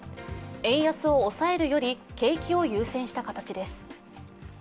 円安を抑えるより景気を優先した形です。